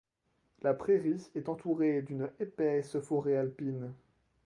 La prairie est entourée d'une épaisse forêt alpine.